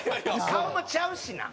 顔もちゃうしな。